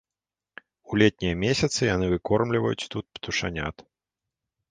У летнія месяцы яны выкормліваюць тут птушанят.